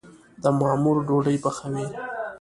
د ما مور ډوډي پخوي